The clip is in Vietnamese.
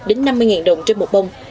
đến năm mươi đồng trên một bông